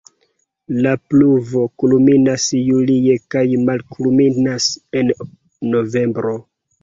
La pluvo kulminas julie kaj malkulminas en novembro.